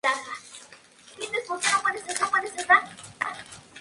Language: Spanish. La Virgen del Valle es considerada la Patrona Nacional del Turismo.